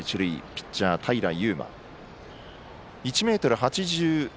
ピッチャー、平悠真。